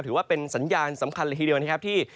ถือว่าเป็นสัญญาณสำคัญเลยทีเดียวนะครับที่